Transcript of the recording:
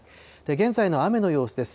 現在の雨の様子です。